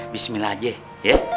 bismillah aja ya